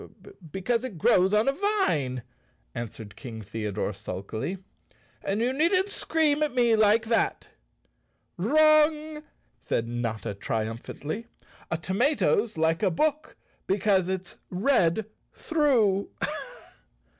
"Because it grows on a vine," answered King The¬ odore sulkily, "and you needn't scream at me like that! " "Wrong!" said Notta triumphantly. "A tomato's like a book because it's red through."